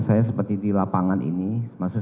saya akan mencoba untuk mencoba